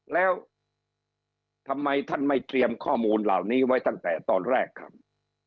แล้วทำไมท่านไม่เตรียมข้อมูลเหล่านี้ไว้ตั้งแต่ตอนแรกครับ